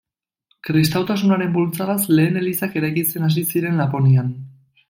Kristautasunaren bultzadaz, lehen elizak eraikitzen hasi ziren Laponian.